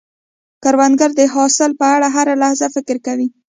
کروندګر د حاصل په اړه هره لحظه فکر کوي